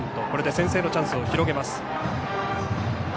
これで先制のチャンスを広げます。